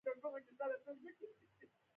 له لاسونو څخه يې دستکشې ایسته کړې.